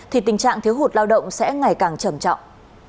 thì tình trạng thiếu hụt lao động sẽ ngày càng trầm trọng